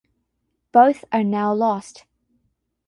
Both are now lost.